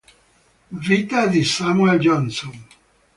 Vita di Samuel Johnson